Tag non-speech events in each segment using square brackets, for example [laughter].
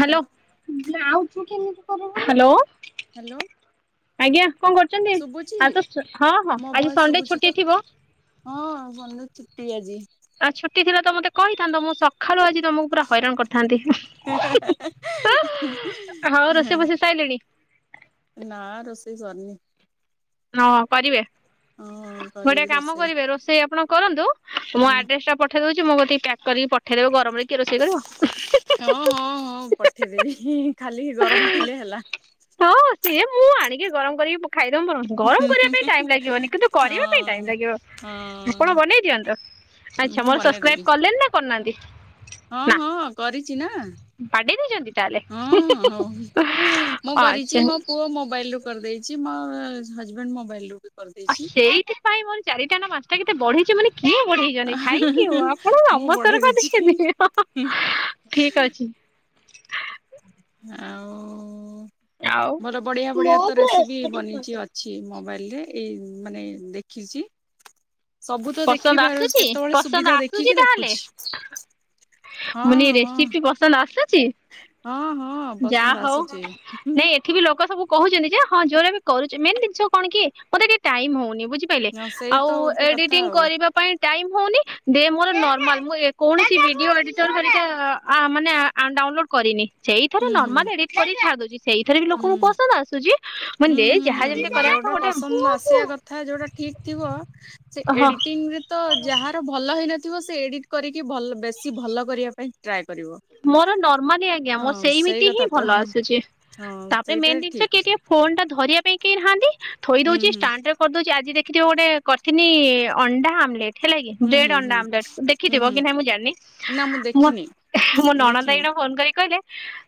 Hello ଆ କେମିତି କର ହଲୋ ହ୍ୟାଲୋ ଆଜ୍ଞା କଣ କରୁଛନ୍ତି ଶୁଭୁଛି ଆଉ ତ ହଁ ହଁ ମୋ ଆଜି ଭଏସ ସଣ୍ଡେ ଶୁଭୁଛି ତ? ଛୁଟି ଥିବ ହଁ ବନ୍ଧୁ ଛୁଟି ଆଜି ଆ ଛୁଟି ଥିଲା ତ ମତେ କହିଥାନ୍ତତା ମୁଁ ସକାଳୁ ଆଜି ତମକୁ ପୁରା ହଇରାଣ କରିଥାନ୍ତି ହଉ ରୋଷେଇ ଫସିେଇ ସାଇଲେଣି ନା ରଷେଇ ସନି ହଁ କରିବେ ହଁ ଗୋଟେ କରିବି କାମ ରୋଷେଇ। କରିବେ ରୋଷେଇ ଆପଣ କରନ୍ତୁ ମୁଁ ହୁଁ ଆଡ୍ରେସ ଟା ପଠେଇ ଦଉଛି ମତି ପ୍ୟାକ୍ କରି ଠେରିବ ଗରମରେ କି ରୋଷେଇ ହଁ ହଁ ହଁ କରିବ ପଠେଇଦେବି ଖାଲି ଗରମ ଥିଲେ ହେଲା ହ ସିଏ ମୁଁ ଆଣିକି ଗରମ କରିକି ଖାଇଦେମୁ ଗରମ କରିବା ପାଇଁ ଟାଇମ୍ ଲାଗିବନି କିନ୍ତୁ କରିବା ପାଇଁ ଟାଇମ୍ ହଁ ଲାଗିବ ହଁ ଆପଣ ବନେଇ ଦିଅନ୍ତୁ ଆଚ୍ଛା ମୁଁ ମୋର ବନେଇଦେବି ସବସ୍କ୍ରାଇବ୍ କଲେନି ନା କରିନାହାନ୍ତି। ହଁ ନା ହଁ କରିଛି ନା ବାଡେଇ ଦେଇଛନ୍ତି ତାହେଲେ ହଁ ହଉ ମୁଁ ଆଚ୍ଛା କରିଛି ମୋ ପୁଅ ମୋବାଇଲୁ କରିଦେଇଛି ହଜବେଣ୍ଡ ମୋବାଇଲ ରୁ ଆଉ କରିଦେଇଛି। ସେଇଥିପାଇଁ ମୋର ଚାରିଟା ନାଁ ପାଁ ତା କେତ ବଢ଼େଇଚି ବନି କ ବଢି ହେ ଆପଣ ମୁଁ ବଢେଇ ନ ଦେଇଛି ଦେଇଛନ୍ତି ଠିକ ଅଛି ଆଉ ଆଉ ମୋର ବଢ଼ିଆ ବଢ଼ିଆ ତ ରେସିପି ବନେଇଚି ଅଛି। ମ ବାଲେ ଏଇ ଉଁ ମାନେ ଦେଖିଚି। ପସନ୍ଦ ଆସୁଚି, ପସନ୍ଦ ଆସୁଚି ଦେଖିକି ତାହେଲେ, ଦେଖୁଛି ହଁ ମୁଁ ନି ହଁ। ରେସିପି ପସନ୍ଦ ଆସୁ ଚି ହଁ ହଁ ଯା ପସନ୍ଦ ହଉ ଆସୁଛି ନାଇଁ ଏଠି ବି ଲୋକ ସବୁ କହୁଚନ୍ତି ଯେ ହଁ ଯୋଉରା ବି କରୁଚି ମେନ୍ ଜିନିଷ କଣ କି ମୋତେ ଟିକେ ଟାଇମ୍ ହୋଉନି। ବୁ ଝି ପାଇଲେ ହଁ ସେଇ ଆଉ ତ ଗୋଟେ କଥା ଏଡିଟିଙ୍ଗ୍ ଆଉ କରିବା ପାଇଁ ଟାଇମ୍ ହୋଉନି ଡେ ମୋର ନର୍ମାଲ୍ ମୁଁ ଏ କୌଣସି ଭିଡିଓ ଏଡିଟର୍ ହେରିକା ଆ, ମାନେ ଆ, ଡାଉନଲୋଡ୍ କରିନି। ସେଇଥରେ ହୁଁ ହୁଁ। ନର୍ମାଲ୍ ଏଡିଟ୍ କରିକି ଛାଡ଼ିଦୋଉ ସେଇଥିରେ ବି ହୁଁ ଲୋକଙ୍କୁ ପସନ୍ଦ ଆସୁଚି। ମାନେ ହୁଁ ଦେ ଯାହା ଯେମିତି ହୁଁ କରିବା ଯୋଉଟା କଥା ପସନ୍ଦ ଗୋଟେ ଆସିବା କଥା ଯୋଉଟା ଠିକ ଥିବ ସେ ହଁ ଏଡିଟି ଟିଂରେ ତ ଯାହାର ଭଲ ହେଇନ ଥିବ ସେ ଏଡିଟ୍ କରିକି ଭଲ ବେଶୀ ଭଲ କରିବା ପାଇଁ ଟ୍ରାଏ କରିବ ମୋର ନର୍ମାଲି ଆଜ୍ଞା ମୋର ହଁ ସେଇ ସେଇମିତି ହିଁ କଥା ତ ଭଲ ଆସୁଛି। ହଁ ତାପରେ ସେଇଟା ମେନ୍ ଦିନଷ କିଏ ଠିକ ଟିକେ ଫୋନ୍ ଟା ଧରିବା ପାଇଁ କେଇ ନାହାନ୍ତି। ଥୋଇ ହୁଁ ଦୋଉଚି ହୁଁ ଷ୍ଟାଣ୍ଡରେ କରିଦୋଉଚି ଆଜି ଦେ କି ଯୋଉ ଗୋଟେ କରଥିନି ଅଣ୍ଡା ଆମଲେଟ୍ ହେଲା କି ହୁଁ ହୁଁ ବ୍ରେଡ୍ ହୁଁ ଅଣ୍ଡା ଆମଲେଟ୍ ହୁଁ ଦେଖିଥିବ ହୁଁ। କି ନାହିଁ ମୁଁ ଜାଣିନି। ନା ମୁଁ ଦେଖିନି ମୋ ନଣନ୍ଦ ଦେଖିନି ଏଇଣା ଫୋନ୍ କରିକି କହିଲେ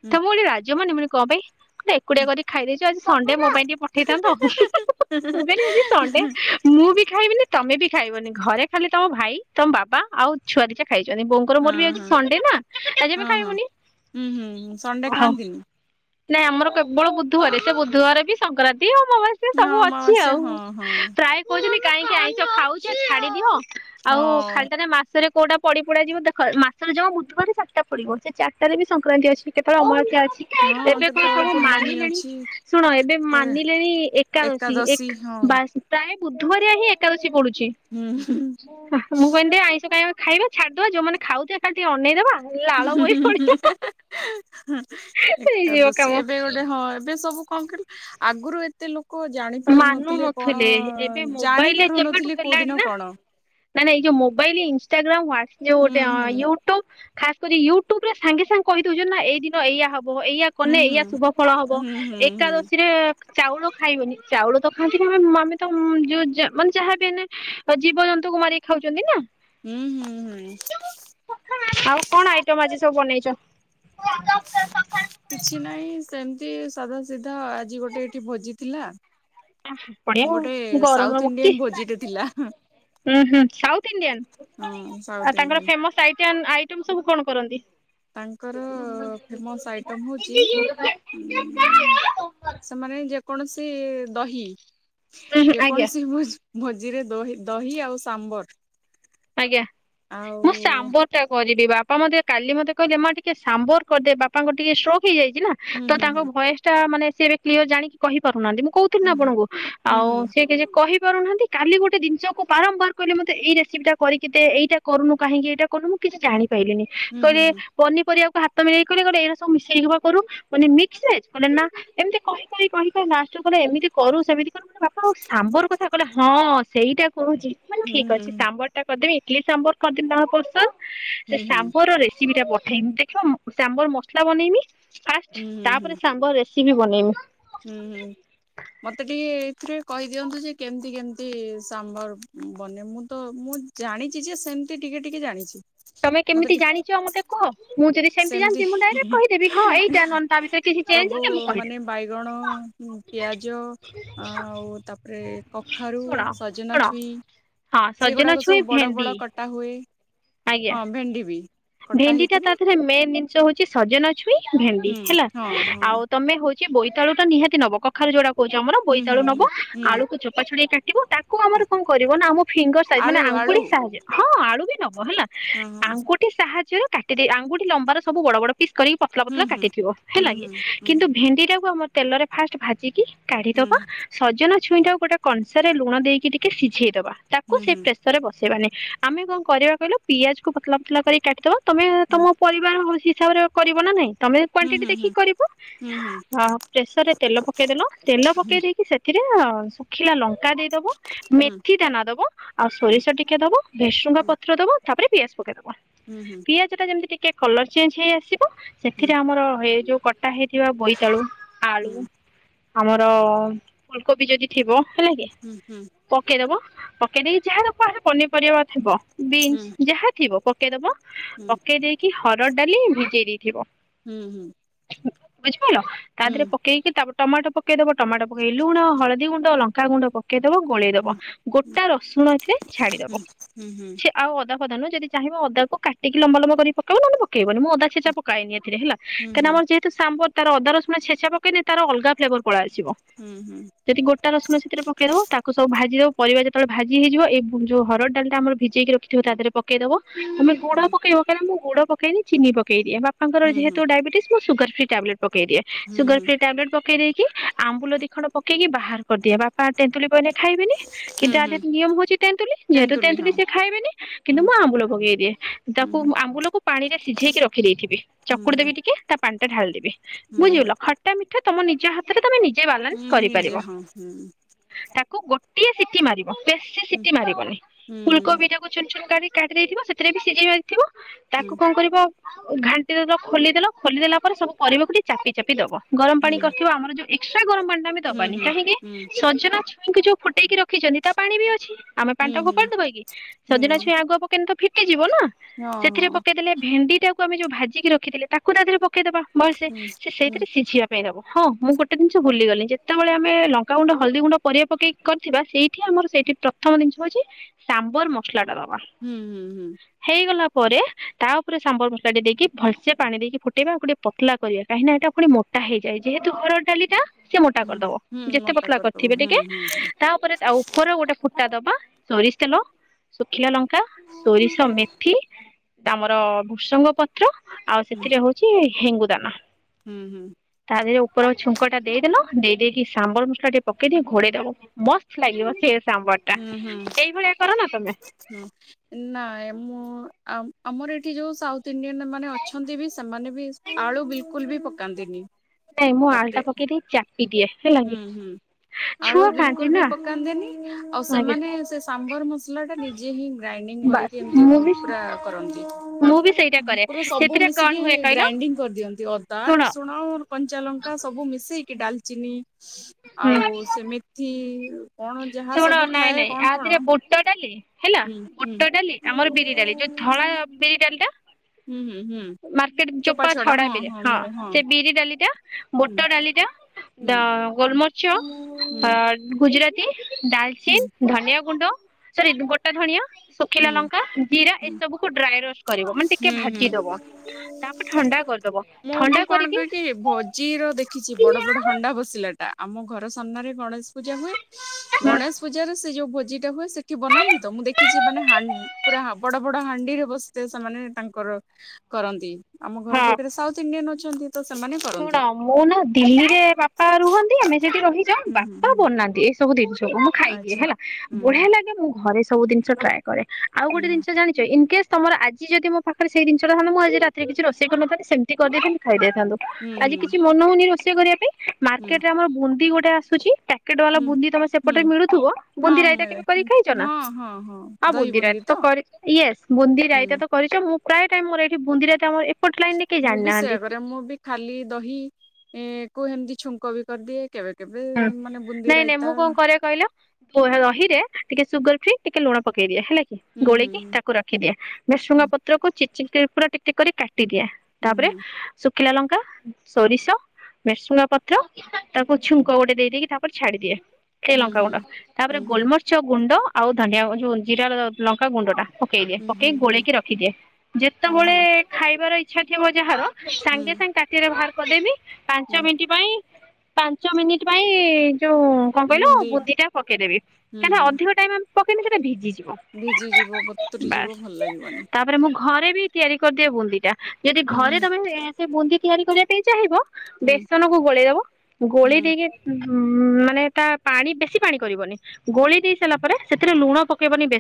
ହୁଁ ତୋମକୁ ଟିକେ ଲା ଜମାନିମୁଡି କଣ ପାଇଁ? କହିଲେ ଏକୁଟିଆ କରି ଖାଇ ଦେଇଚୁ ଆଜ ସଣ୍ଡ୍ ଡେ ମୋ ପାଇଁ ଟିକେ ପଠେଇଥାନ୍ତ। ମୁଁ ବି ଆଜି ଆଜି ସଣ୍ଡେ ମୁଁ ବି ଖାଇବିନି, ତୋମେ ବି ଖାଇବନି ଘରେ ଖାଲି ତୋମ ଭାଇ, ତୋମ ବାବା ଆଉ ଛୁଆ ଦିଟା ଖାଇଚନ୍ତି ବୋଉଙ୍କର ମୋର ବି ଆଜି ସଣ୍ଡେ ନା। ଆଜି ଆମେ ଅଁ, ହଁ, ଖାଇବୁନି ଉଁ, ହୁଁ, ହୁଁ, ସଣ୍ଡେ ହଉ ଖାଆନ୍ତିନି? ନାଇଁ ଆମର କେବଳ ବୁଧୁବାରେ ସେ ବୁଧୁବାରେ ବି ସଂକ୍ରାନ୍ତ ତି ଇଏ ମୋ ପାଖେ ସେ ହଁ ସବୁ ଅଛି ଅମାବାସ୍ୟା ଆଉ ହଁ ହଁ ପ୍ରାୟ କହୁଚନ୍ତି କାହିଁକି ଆଇଁଷ ଖାଉଛ ଛାଡ଼ି ଦିଅ। ଆଉ ହଁ ଖାଲିଟା ରେ ମାସରେ କୋଉଟା ପଡି ପଡା ଯିବ ଦେଖ ମାସରେ ଯୋଉ ବୁଧବାରେ ଚାରଟା ପଡିବ ସେ ଚାରଟାରେ ବି ସଂକ୍ରାନ୍ତି ଅଛି କେତେବେଳେ ଅମାବାସ୍ ଏକା ଅଛି ହଁ ଏବେ କଣ କେତେବେଳେ ସବୁ ପୂର୍ଣ୍ଣମୀ ମାନିଲେଣି ଅଛି ଶୁଣ ଏବେ ମାନିଲେଣି ଏକାଦଶୀ ଏକ ବାସ୍ ପ୍ରାୟ ବୁଧୁବାରିଆ ହିଁ ଏକାଦଶୀ ପଡୁଛି। ହୁଁ ହୁଁ ଛିଃ ମୁଁ କହିଲି ଟିକେ ଆଇଁଷ ଖାଇବାକୁ ଖାଇବା ଛାଡିଦବା ଯୋଉମାନେ ଖାଉଛନ୍ତି ଖାଲି ଟିକେ ଅନେଇଦବା। ଲାଳ ବହି ପଡିବ ହେଇଯିବ ଏକାଦଶୀ କାମ ଏବେ ଗୋଟେ ହଁ ଏବେ ସବୁ କଣ କହିଲୁ ଆଗରୁ ଏତେ ଲୋକ କ ଜାଣି ପାରୁନଥିଲେ କଣ ମାନୁନଥିଲେ ଏବେ ଜାଣି ମୋବାଇଲ ପାରୁନଥିଲି କୋଉ ଦିନ କଣ? ନାଁ ନାଇ ଏ ଯୋ ମୋବାଇଲ ଇନଷ୍ଟାଗ୍ରାମ୍ ୱାଟ୍ ହୁଁ ଯୋଉଗୋଟେ ହୁଁ ହଁ ୟୁଟ୍ୟୁବ ଖାସ୍ କରି ୟୁଟ୍ୟୁବ ରେ ସାଙ୍ଗେ ସାଙ୍ଗେ କହିଦଉଛନ୍ତି ନା ଏଇ ଦିନ ଏଇଆ ହବ। ହବ ଏଇୟା ହୁଁ କଲେେ ଏଇୟା ହୁଁ ଶୁଭ ଫଳ ହବ ହୁଁ ହୁଁ ହୁଁ ଏକାଦଶୀରେ ଚାଉଳ ଖାଇବନି ଚାଉଳ ତ ଖାଆନ୍ତିନି ମାନେ ତ ଯୋଉ ଯାହାବି ଆମେ ଜୀବ ଜନ୍ତୁକୁ ମାରିକି ଖାଉଛନ୍ତି ନା? ହୁଁ ହୁଁ ହୁଁ ଆଉ କଣ ଆଇଟମ ଆଜି ସବୁ ବନେଇ ଚା କିଛି ନାହିଁ ସେମତ ତି ସାଧା ସିଧା ଆଜି ଗୋଟେ ଏଇଠି ଭୋଜି ଥିଲା। ବଢିଆ ଗୋଟେ ଆଉ ଗରମରୁ ସାଉଥ ମୁକ୍ତି ଇଣ୍ଡିଆନ ଭୋଜିଟେ ଥିଲା ହୁଁ ହୁଁ ସାଉଥ ଇଣ୍ଡିଆନ୍? ହଁ ସାଉଥ ଇଣ୍ଡିଆନ୍ କେନ୍ ଆଇଟମ୍ ସବୁ କଣ କରନ୍ତି? ତାଙ୍କର ଫେମସ ଆଇଟମ ହଉଛି ଉଁ ସେମାନେ ଯେ କୌଣସି ଦହି ହୁଁ ହୁଁ ଆଜ୍ଞା ଯେକୌଣସି ବୁଝ ଭୋଜିରେ ଦହି ଦହି ଆଉ ସାମ୍ବର ଆଜ୍ଞା ଆଉ ମୁଁ ସାମ୍ବର ଟା କରିବି। ଯେ ବାପା ମଧ୍ୟ କାଲି ମତେ କହିଲେ ମା ଟିକେ ସାମ୍ବର କରିଦେ ବାପାଙ୍କ ଟିକେ ସେଉକ୍। ହେଇଯାଇଛି ନା ହୁଁ ତ ହୁଁ ତାଙ୍କ ଭଏସ୍ ଟା ମାନେ ସେ ରିକ୍ଲିୟର୍ ଜାଣିକି କହିପାରୁନାହାନ୍ତି ମୁଁ? କହୁଥିଲି ନା ଆପଣଙ୍କୁ ହୁଁ ହୁଁ ଆଉ ହୁଁ ସେ କିଛି କହି ପାରୁନାହାନ୍ତି କାଲି ଗୋଟ ଜିନିଷକୁ ବାରମ୍ବାର କିଲେ ମୋତେ ଏଇରେସିପିଟା କରିକି ଦେ ଏଇଟା କରୁ ନୂ କାହିଁକି ଏଇଟା କରୁନୁ କିଛି ଜାଣିପାଇଲିନି ହୁଁ ହୁଁ କହିଲେ ହୁଁ ପନିପରିବାକୁ ହାତ ମିଳେଇ କି କହିଲେ କଣ ଏଇରା ସବୁ ମିଶେଇ କିବା କରୁ ମିକ୍ସସେଜ କହିଲେ ନା ଏମିତି କହି କହି କହି କହି ଲାଷ୍ଟ କୁ ଏମିତି କରୁ ସେମିତି କରୁ ମାନେ ବାପା ସାମ୍ବର କଥା କହିଲେ ହଁ ସେଇଟା କହୁଚି ମାନେ ଠିକ ହୁଁ ହୁଁ ଅଛି ସାମ୍ବ କରି ଦେବି ଇଟଲି ସାମ୍ବର କରିଦେବି ତାଙ୍କର ପସନ୍ଦ। ସେ ହୁଁ ହୁଁ ହୁଁ ହୁଁ ସାବର ରେସି ସିବିଟା ପଠେଇ ବୁ ଦେଖବା ସାମ୍ବର ମସଲା ବନେଇମି। ଫାଷ୍ଟ ହୁଁ ହୁଁ ତାପରେ ସାମ୍ବର ରେ କି ବି ବନେଇମା ଥିରେ କହିଦିଅନ୍ତୁ ଯେ କେମିତି କେମିତି ସାମ୍ବର ବନେ ମୁଁ ତ ମୁଁ ଜାଣିଛି ଯେ ସେମତି ଟିକେ ଟିକେ ଜାଣିଛି। ତମେ କେମିତି ଜାଣିଛ ମତେ କୁହ ମୁଁ ଯଦି ସେମିତି ସେମତି ଜାଣିଛି ମୁଁ ଡାଇରେକ୍ଟ କହିଦେବି ହଁ ଏଇଟା ନହେଲେ ତା ଭିତରେ କିଛି ଚେଞ୍ଜ ସବୁ ହେଲେ ମୁଁ ମାନେ କହିଦେବି ବାଇଗଣ ପିଆଜ ଆଉ ତାପରେ କଖାରୁ ଶୁଣ ସଜନା ଶୁଣ ଛୁଇଁ ହଁ ସଜନା ସେଗୁଡାକ ଛୁଇଁ ସବୁ ବଡ ଭେଣ୍ଡି ବଡ କଟା ହୁଏ। ଆଜ୍ଞା ହଁ ଭେଣ୍ଡି ବି କଟା ଭେଣ୍ଡି ଟା ହେଇଥିବ ତା ଦେହରେ ମେନ୍ ଜିନିଷ ହଉଛି ସଜନା। ଛୁଇଁ ଭେଣ୍ଡି ହୁଁ ହେଲା ହଁ ହଁ ଆଉ ତମେ ହଉ ସେ ବୋଇତାଳୁ ଟା ନିହାତି ନବ କଖାରୁ ଯଉଟା କହଉଛୁ ଆମର ହୁଁ ବୋଇତାଳୁ ହୁଁ ନବ ହୁଁ ହୁଁ ଆଳୁକୁ ଚୋପ ଛଡେଇ କା ଟିବି ତାକୁ ଆମର କଣ କରିବ ନା ଆମ ଫିଙ୍ଗର ସାଇଜ ମାନେ ଆଳୁ ଆଳୁ ଆଙ୍ଗୁଳି ସାହାଯ୍ୟରେ। [unintelligible] ହେଲା ହଁ ହଁ ତାଙ୍କୁ ସାହାଯ୍ୟରେ କାଟିଦେଇ ଆଙ୍ଗୁଠି ଲମ୍ବାର ସବୁ ବଡ ବଡ। ପିସ୍ କରିକି ପତଳା ପତଲା ହୁଁ କାଟିଥିବ ହୁଁ ହେଲାକି ହୁଁ ହୁଁ କିନ୍ତୁ ଭେଣ୍ଡି ଟାକୁ ଆମର ତେଲରେ ଫାଷ୍ଟ ଭାଜିକି ହୁଁ କାଢିଦବା ସଜନା। ଛୁଇଁଟାକୁ ଗୋଟେ କଂସାରେ ଲୁଣ ଦେଇକି ଟିକେ ସିଝେଇଦବା। ତାକୁ ହୁଁ ସେଇ ହୁଁ ପ୍ରେସର ରେ ବସେଇବାନି। ଆମେ କଣ କରିବା କହିଲୁ ପିଆଜ କୁ ପତଳା ପତଳା। ପତଲା କରିକି କାଟିଦବା ତମେ ତମ ହୁଁ ପରିବାର ବସି ହିସାବରେ କରିବ ନା ନାହିଁ। ତମେ କ୍ଵାଣ୍ଟିଟି ହୁଁ ହୁଁ ହୁଁ ହୁଁ ହୁଁ ଏଥିରେ ଶୁଖିଲା ଲଙ୍କା କା ଦେଇଦବ। ହୁଁ ମେଥି ଦାନା ଦବ ଆଉ ତେନ୍ତୁଲି ହଁ। ସୋରିଷ ଟିକେ ଦବ ଭୁସଙ୍ଗା ହୁଁ ପତ୍ର ଦବ ତାପରେ ପିଆଜ ପକେଇ ଦବ। ହୁଁ ପିଆଜ ଟା ଯେମିତି ଟି କେ କଲର୍ ଚେଞ୍ଜହେଇ ଆସିବ ହୁଁ ସେଥିରେ ଆମର ଏଇ ଯୋଉ ଟା ହେଇଥିବା ବୋଇତାଳୁ ଆଳୁ ହୁଁ ଆମର ଫୁଲକୋବି ଯଦି ଥିବ ହେଲା କି ପକେଇଦବ ପକେଇଦେଇକି ଯାହାର [inaudible] ପନିପରିବା ଥିବ ବିନ୍ସ ଯାହା ଥିବ ପକେଇଦବ ପକେଇ ଦେଇକି ହରଡ଼ ଡାଲି ଭିଜେଇ ଦେଇଥିବ। ହୁଁ ହୁଁ। ତା ଦେହରେ ପକେଇକି ତାପ ଟମାଟ ପକେଇ ଦବ। ଟମାଟ ପକେଇ ଲୁଣ ହଳଦୀ ଗୁଣ୍ଡ ଲଙ୍କା ଗୁଣ୍ଡ ପକେଇ ବ ଗୋଳେଇ ଦବ। ଗୋଟା ରସୁଣ ଏଥିରେ ଛାଡିଦବ। ସେ ଆଉ ଅଦା ଯଦି ଚାହିଁବ ଅଦା କୁ କାଟିକି ଲମ୍ବା ଲମ୍ବା କରି ପକେଇବ ନହଲେ ପକେଇବନି। ମୁଁ ଅଦାଛେଚା ପକାଏନି ଏତେ। ହେଲା। କାହିଁକି ଆମ ଯେହେତୁ ସାମ୍ବର ତାର ଅଦା ରସୁଣ ଛେଚା ପକନେ ତାର ଅଲଗା ଫ୍ଲେବର ପଳେଇ ଆସିବ। ଯଦି ଗୋଟା ରସୁଣ ସେଥିରେ ପକେଇଦବ ତାକୁ ସବୁ ଭାଜିଦବ ପରିବା ଯେତେବେଳେ ଭାଜି ହେଇଯିବ ଏଇ ହରଡ୍ ଡାଲି ଟା ଭିଜେଇକି ରଖିିବ ତା ଦେହ କେ ଦବ। ତମେ ଗୁଡ ପକେଇବ କାଇଁ ନା ମୁ ଗୁଡ ପକେଇନି ଚିନି ପକେଇଦିଏ ବା ତାଙ୍କର ଯେହେତୁ ଡାଇବେଟିସ୍ ସୁଗର ଫି ଟ୍ୟାବଲେଟ ପକେଇ ଦିଏ। ସୁଗର ଫ୍ରି ଟେବଲେଟ ପକେଇ ଦେଇ କି ଆମ୍ବୁଲ ଦିଖଣ୍ଡ ପକେଇକି ବାହାର ପଟିଆ ବାପା ତେନ୍ତୁଲି ପଇନେ ଖାଇବେନି କିନ୍ତୁ ଆମେ ନିୟମ ହଉଛି ତେନ୍ତୁଲି ଯେହେତୁ ତେନ୍ତୁଲି ସେ ଖାଇବେନି କିନ୍ତୁ ମୁଁ ଆମ୍ବୁଲ ପକେଇଦିଏ ତାକୁ ମୁଁ ହୁଁ ଆମ୍ବୁଲକୁ ପାଣିରେ ସିଝେଇକି ରଖିଦେଇଥିବି ଚକୁଡି ହୁଁ ହୁଁ ଦେବି ଟିକେ ତା ପାଣି ଟା ଢାଳିଦେବି ବୁଝିଗଲ ଖଟା ମିଠା। ତମ ନିଜ ହାତରେ ତମେ ନିଜ୍ ଯେ ବାଲାନ୍ସ ନିଜେ କରିପାରିବ ହଁ ହୁଁ ତା କୁ ଗୋଟିଏ ସିଟିି ମାରିବ ବେଶି ସିଟି ମାରିବନି। ହୁଁ ଫୁଲକୋବିଟାକୁ ଛୁନ୍ ଛୁନ୍ କାରି କାଟି ଦେଇଥିବ ସେଥିରେ ବି ସିଝେଇ ଥିବ ହୁଁ ତାକୁ କଣ କରିବ ଆଉ ଘାଣ୍ଟିଦେଲ, ଖୋଲିଦେଲ। ଖୋଲିଦେଲା ପରେ ସବୁ ପରିବାକୁ ଟିକେ ଚାପି ଚାପି ଦବ। ଗରମ ହୁଁ ପାଣି କରିଥିବ। ଆମର ଯୋଉ ଏକ୍ସଟ୍ରା ଗରମ ପାଣିଟା ଆମେ ଦବାନି। ହୁଁ ହୁଁ କାହିଁକି ସଜନା ଛୁ ମୁଁ କି ଯୋ ଫୁଟେଇକି ରଖିଛନ୍ତି ତା ପାଣି ବି ଅଛି। ଆମେ ପାଣିଟା ହୁଁ ହୁଁ ହୁଁ ହୁଁ ଫୋପାଡି ହୁଁ ଦବା କି ହଁ ସେଦିନ ଉପୁ କିନ୍ତୁ ଫିଟି ଯିବନା ହଁ ହୁଁ ସେଥିରେ ହୁଁ ପକେଇଦେଲେ ଭେଣ୍ଡି କୁଟିଆକୁ ଆମେ ଯୋଉ ଭାଜିକି ରଖିଥିଲେ ତାକୁ ତା ଦେହେରେ ପକେଇଦବା। ଭଲସେ ହୁଁ ସେ ସେଇଥିରେ ସିଝିବା ପେ ହବ ହଁ ମୁଁ ଗୋଟେ ଜିନିଷ ଭୁଲି ଗଲି। ଯେତେବେଳେ ଆମେ ଲଙ୍କା ଗୁଣ୍ଡ, ହଳଦୀ ଗୁଣ୍ଡ, ପରିବା ପକେଇ କରିଥିବା। ସେଇଠି ଆମର ସେଇଠି ପ୍ରଥମ ଜିନିଷ ହଉଛି ସାମ୍ବର ମସଲାଟା ର ଆ ହୁଁ ହୁଁ ହୁଁ ହେଇଗଲା ପରେ ତା ଉପରେ ସାମ୍ବର ମସଲାଟେ ଦେଇକି ଭଲସେ ପାଣି ଦେଇକି ଫୁଟେଇବା, ଆଉ ଟିକେ ପତଲା କରିବା। କାହିଁକି ନା ଏଟା ପୁଣି ମୋଟା ହେଇଯାଏ। ଯେହେତୁ ହରଡ଼ ଡାଲି ଟା ସେ ମୋଟା କରିଦବ ହୁଁ ଯେତେ ମୋଟା ପତଲା କରିଦବ କରିଥିବେ ହୁଁ ଟିକେ। ହୁଁ ତା ଉପରେ ତା ଉପର ଗୋଟେ ଫୁଟା ଦବା। ସୋରିଷ୍ ତେଲ ଶୁଖିଲା ଲଙ୍କା, ସୋରିଷ, ମେଥି ଆମର ଭୃସଙ୍ଗ ପତ୍ର ଆଉ ହୁଁ ସେଥିରେ ହଉଛି ହେଙ୍ଗୁଦାନା। ହୁଁ ହୁଁ। ଆରେ ଯୋଉ ଉପର ଛୁଙ୍କ ଟା ଦେଇଦେଲ। ଦେଇଦେଇକି ସାମ୍ବର ମସଲା ଟିକେ ପକେଇଦେଇ ଘୋଡେଇଦବ। ମସ୍ତ ଲାଗିବ ସେ ସାମ୍ବରଟା। ହୁଁ ହୁଁ ଏଇ ଭଳିଆ କରନା ତମେ? ହୁଁ ନାଏ ମୁଁ ଉ-ଉ ଆ ଆମର ଏଠି ଯୋଉ ସାଉଥ୍ ଇଣ୍ଡିଆନ୍ ସେମାନେ ଅଛନ୍ତି ବି। ସେମାନେ ବି ଆଳୁ ବିଲକୁଲ ବି ପକାନ୍ତିନି। ନାଇଁ ମୁଁ ତାପରେ ଆଲୁଟା ପକେଇ ଦେଇ ଚା ହୁଁ ହୁଁ ଆଳୁ ଛୁଆ ଖାଆନ୍ତି ବିଲକୁଲ ବି ନା ପକାନ୍ତିନି। ଆଉ ଆଜ୍ଞା ସେମାନେ ସେ ସାମ୍ବର ମସଲାଟା ନିଜେ ହିଁ ଗ୍ରାଇଣ୍ଡିଙ୍ଗ ବାସ୍ କରିକି ଏମିତି ମୁଁ ବି ପୂରା କରନ୍ତି। ମୁଁ ବି ସେଇଟା କରେ ପୁରା ସବୁ ସେଥିରେ କଣ ମିଶିକି ହୁଏ କହିଲ ଗ୍ରାଇଣ୍ଡିଙ୍ଗ କରିଦିଅନ୍ତି। ଅଦା, ଶୁଣ ରସୁଣ, କଞ୍ଚା ଲଙ୍କା ସବୁ ମିଶ୍ ସେଇ କିି ଡାଲ୍ଚିନି ହୁଁ ଆଉ ସେମିଥି କଣ ଯାହା ଶୁଣ ସବୁ ନାଇଁ ଥାଏ ନାଇଁ କଣ ଆ କଣ ଦେହରେ ବୁଟ ଡା ଟିଲେ ହେଲା ହୁଁ ହୁଁ ବୁଟ ଡାଲି ଆମର ବିରି ଡାଲି। ଯୋଉ ଧଳା ବିରି ଡାଲି ଟା ହୁଁ ହୁଁ ହୁଁ ମାର୍କେଟ ଚୋପା ଛଡା ବିରି ହଁ ସେ ବିରି ଡାଲି ଟା। ହୁଁ। ବୁଟ ଡାଲିଟା। ହୁଁ ଦା। ହୁଁ ଚ ଗୁଜୁରାତି। ହୁଁ ଡାଲଚିନ୍ ଧନିଆ ଗୁଣ୍ଡ। ସରି ଗୋଟା ଧଣିଆ। ହୁଁ ଶୁଖିଲା ଲଙ୍କା ଜିରା ହୁଁ ଏସବୁକୁ ଡ୍ରାଏ ରେ। କରିବ ମାନେ ହୁଁ ଟିକେ ହୁଁ ଭାଜିଦବ। ତାପରେ ଥଣ୍ଡା କରିଦବ ମୁଁ ମୁଁ ଥଣ୍ଡା କଣ କରିକି କକି ଭୋଜିର ଦେଖିଛି ବଡ ବଡ ହଣ୍ଡା ବସିଲା। ଟା ଆମ ଘର ସାମ୍ନାରେ ଗଣେଶ। ପୂଜା ହୁଏ ହଁ ଗଣେଶ ପୂଜାରେ। ସେ ଯୋଉ ଭୋଜି ଟା ହୁଏ ସେଠି ବନାନ୍ତି ତ ମୁଁ ଦେଖିଛି ମାନେ ହାନ୍ ପୁରା ବଡ ବଡ ହାଣ୍ଡିରେ ବ। ଯେ ସେମାନେ ତାଙ୍କର କରନ୍ତି। ଆମ ଘର ପାଖରେ ସାଉଥ ଇଣ୍ଡିଆନ୍। ଛନ୍ତି। ଶୁଣ ମୁଁ ନା ଦିଲ୍ଲୀରେ ବାପା ରୁହନ୍ତି। ସେଠି ରହିଯାଉ ହୁଁ ହୁଁ ବାପା ହୁଁ ବନାନ୍ତି। ସବୁ ଦେଇଛ। ମୁଁ ଖାଇଦିଏ ଆଚ୍ଛା ହେଲା ହୁଁ ବଢିଆ ଲାଗେ ମୁଁ ଘରେ ସ। ସବୁି ଜିନିଷ ଟ୍ରାଏ। କରେ ଆଉ ହୁଁ ଗୋଟେ ଜିନିଷ ଜାଣିଛ ଇନ। ତମର ଆଜି ଯଦି ମୋ ପାଖରେ ସେଇ ଜିନିଷଟା ଥାନ୍ତା ମୁଁ ଆଜି ରାତିରେ କିଛି ରୋଷେଇ କରିନଥାଏ ସେମିତି କରିଦେଇଥାନ୍ତି ଖାଇ ଦେଇଥାନ୍ତେ। ହୁଁ ଆଜି ହୁଁ କିଛି ମନ ହଉନି। କରିବା ପାଇଁ। ହୁଁ ମାର୍କେଟ ରେ ଆମର ବୁନ୍ଦୀ ଗୋଟେ। ଆସୁଛି। ପ୍ୟାକେଟ ବାଲା ହୁଁ ବୁନ୍ଦି ତମ ହୁଁ ସେପଟରେ ମିଳୁଥିବ ବୁନ୍ଦି ହଁ ରାଇତା ମିଳେ କେବେ କରିକି ଖାଇଛ ନା ହଁ ହଁ ହଁ ଆଉ ଦହି ବୁନ୍ଦି ରାଇତା ତ କରିଛ, ୟେସ ବୁନ୍ଦି ହୁଁ ରାଇତା ତ କରିଚ ମୁଁ। ପ୍ରାୟ ଟାଇମ ମୋର ଏଠି ବୁନ୍ଦି ରାଇତା ଆମର ଏ। ଏପଟ ଲାଇନରେ କେହି ମୁଁ ବି ଜାଣିନାହାନ୍ତି। ସେୟା କରେ ମୁଁ ବି ଖାଲି ଦହି କୁ ଏମିତି ଛୁଙ୍କ ବି କରିଦିଏ କେବେ। କେବେ ହ ମାନେ ବୁନ୍ଦି ନାଇଁ ନାଇଁ ରାଇତା ମୁଁ କଣ କରେ କହିଲ। [unintelligible] ଦହିରେ ଟିକେ ସୁଗର ଫ୍ରି ଟିକେ ଲୁଣ ପକେଇ ଦିଏ। ହେଲାକି ହୁଁ ଗୋଳେଇକି ହୁଁ ତାକୁ ରଖିଦିଏ ଭୃସଙ୍ଗ ପତ୍ରକୁ ଚିର ଚିର। ପୁରା ଟିକ ଟିକ କରି କା ଟି ଦିଏ ହୁଁ ତାପରେ ହୁଁ ସୁ ଖିଲା ଲଙ୍କା ସୋରିଷ ଭେସୁଙ୍ଗା ପତ୍ର ତାକୁ ଛୁଙ୍କ ଗୋଟେ ଦେଇ ଦେଇକି ତା ପରେ ଛାଡ଼ିଦିଏ। ଏ ହୁଁ ଲଙ୍କା ହୁଁ ଗୁଣ୍ଡ ତାପରେ ହୁଁ ହୁଁ ଗୋଲମରିଚ ଗୁଣ୍ଡ ଆଉ ଧନିଆ ଯୋଉ ଜିରା ଲଙ୍କା ଗୁଣ୍ଡ ଟା। ପକେଇଦିଏ ହୁଁ ପକେଇକି ହୁଁ ହୁଁ ଗୋଳେଇକି ରଖିଦିଏ ହୁଁ ଯେତେବେଳେ ହୁଁ ଖାଇବାର ଇ ଇଚ୍ଛା ଥିବ ଯାହାର ହୁଁ ହୁଁ ସାଙ୍ଗେ ସାଙ୍ଗେ ତାଟିଆରେ ଭାହାର କଦେବି। ପାଞ୍ଚ ହୁଁ ମିନିଟ୍ ପାଇଁ ପା ଞ୍ଚ ମିନିଟ୍ ପାଇଁ। ଯୋଉ କଣ କଇଲୁ ବୁନ୍ଦି ଟା ପେଇଦେବି କାହିଁକିନା ହୁଁ ଅଧିକ ଟାଇମ ଆମେ ପକେଇନେ ସେଟା ଭିଜି ଯି ଭିଜି ଯିବ ବତୁରି ଯିବ ଭଲ ଲାଗିବନି। ତାପରେ ମୁଁ ଘରେ ବି ତିଆରି କରିଦିଏ ବୁନ୍ଦି ଟା। ଯଦି ହୁଁ ଘରେ ତମେ ସେ ବୁନ୍ଦି ତିଆରି କରିବା ପାଇଁ ଚାହିଁବ। ହୁଁ ବେସନକୁ ଗୋଳେଇ ଦବ। ହୁଁ ଗୋଳେ ଦେଇକି ଉଁ ମାନେ ତା ପାଣି ବେଶି ପାଣି କରିବନି ଗୋଳି ଦେଇ ସାରିଲା ପରେ ସେଥିରେ ଲୁଣ ପକେଇବନି ବେ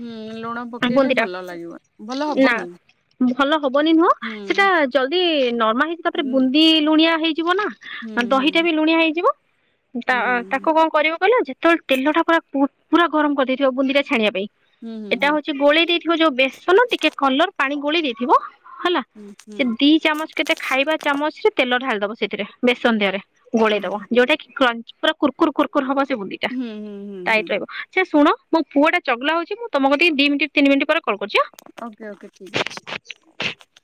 ହୁଁ ଲୁଣ ପକେଇଲେ ଭଲ ଲାଗିବନି ଭଲ ନା ହବନି। ଭଲ ହବନି ନୁହଁ ହୁଁ ସେଟା ଜଲଦି ଜମା ହେଇଚି ତାପରେ ହୁଁ ବୁନ୍ଦି ଲୁଣିଆ ହେଇ ଯିବ ନା। ହୁଁ ମାନେ ହୁଁ ଦହିଟା ବି ଲୁଣିଆ ହେଇଯିବ। ତା ତାକୁ କଣ କରିବ କହିଲ ଯେତେବେଳେ ତେଲ ପୁରା ଫୁ ପୁରା ଗରମ କରିଦେଇଥିବ ବନ୍ଦୀ ଟା ଛାଣିବା ପାଇଁ। ହୁଁ ହୁଁ ଏଟା ହୁଁ ହଉଛି ଗୋଳେଇ ଥି ଯୋଉ ବେ [inaudible] ପାଣି ଗୋଳି ଦେଇଥିବ। ହେଲା ହୁଁ ହୁଁ ସେ ଦି ଚାମଚ କେତେ ଖାଇବା ଚାମଚ ରେ ତେଲ ଢାଲ। ସେଥିରେ ସନ୍ଧ୍ୟା ଗୋଳେଇ ହୁଁ ଦବ ହୁଁ ଯୋଉଟା କି କ୍ଲୋ କୁର୍କୁର୍ କୁର୍କୁର ହବ ସେ ବୁନ୍ଦି ଟା ହୁଁ ହୁଁ ଟାଇଟ ହୁଁ ରହିବ ସେ ଶୁ ମୋ ପୁଅଟା ଚଗଲା ହଉଚି ଓକେ ଓକେ ଠିକ ଅଛି।